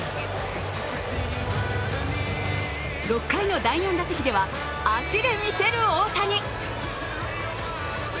６回の第４打席では足で見せる大谷。